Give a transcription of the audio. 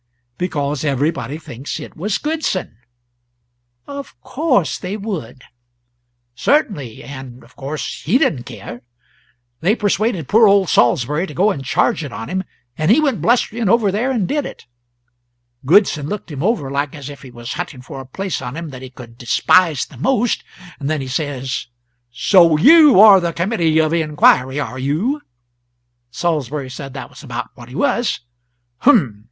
"Because everybody thinks it was Goodson." "Of course they would!" "Certainly. And of course he didn't care. They persuaded poor old Sawlsberry to go and charge it on him, and he went blustering over there and did it. Goodson looked him over, like as if he was hunting for a place on him that he could despise the most; then he says, 'So you are the Committee of Inquiry, are you?' Sawlsberry said that was about what he was. 'H'm.